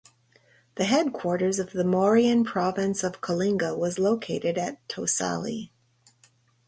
The headquarters of the Mauryan province of Kalinga was located at Tosali.